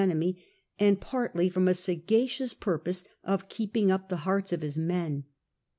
enemy, and partly from a sagacious purpose of keeping up the hearts of his men.